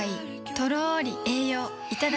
とろり栄養いただきます